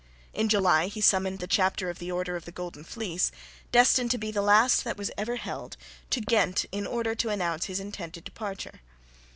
In July he summoned the Chapter of the Order of the Golden Fleece destined to be the last that was ever held to Ghent in order to announce his intended departure.